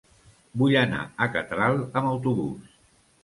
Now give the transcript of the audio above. Vull anar a Catral amb autobús.